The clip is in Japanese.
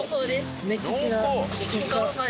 めっちゃ違う。